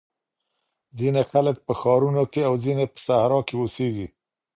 ځینې خلګ په ښارونو کي او ځینې په صحرا کي اوسېږي.